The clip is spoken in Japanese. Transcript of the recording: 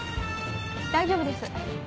大丈夫です。